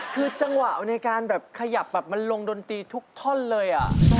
คือจังหวะในการแบบขยับแบบมันลงดนตรีทุกท่อนเลย